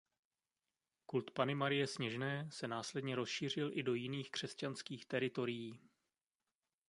Kult Panny Marie Sněžné se následně rozšířil i do jiných křesťanských teritorií.